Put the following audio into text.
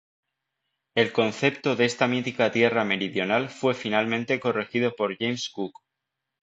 El concepto de esta mítica tierra meridional fue finalmente corregido por James Cook.